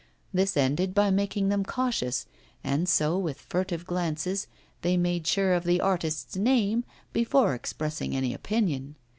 This ended by making them cautious, and so with furtive glances they made sure of the artist's name before expressing any opinion.